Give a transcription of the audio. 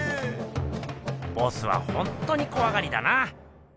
ボスはほんとにこわがりだな！